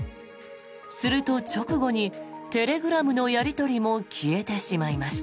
すると直後にテレグラムのやり取りも消えてしまいました。